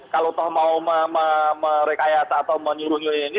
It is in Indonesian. kalau mau merekayat atau menyuruh ini